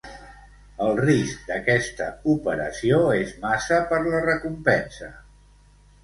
El risc d'aquesta operació és massa per la recompensa.